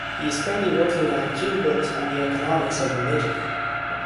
He is currently working on two books on the economics of religion.